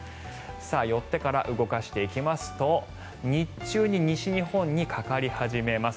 寄ってから動かしていきますと日中に西日本にかかり始めます。